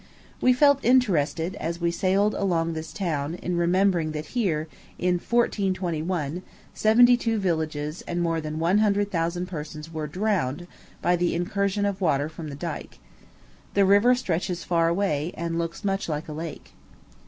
We felt interested, as we sailed along this town, in remembering that here, in 1421, seventy two villages and more than one hundred thousand persons were drowned by the incursion of water from the dike. The river stretches far away, and looks much like a lake.